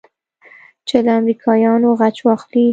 چې له امريکايانو غچ واخلې.